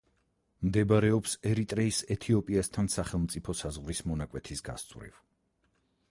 მდებარეობს ერიტრეის ეთიოპიასთან სახელმწიფო საზღვრის მონაკვეთის გასწვრივ.